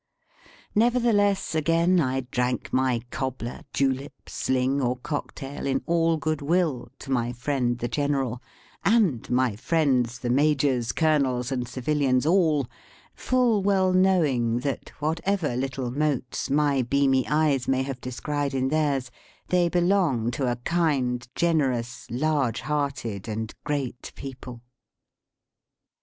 Nevertheless, again I drank my cobbler, julep, sling, or cocktail, in all good will, to my friend the General, and my friends the Majors, Colonels, and civilians all; full well knowing that, whatever little motes my beamy eyes may have descried in theirs, they belong to a kind, generous, large hearted, and great people.